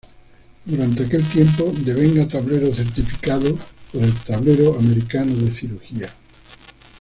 Durante aquel tiempo, devenga tablero certificado por el Tablero americano de Cirugía.